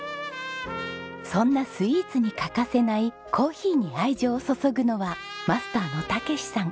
そんなスイーツに欠かせないコーヒーに愛情を注ぐのはマスターの健さん。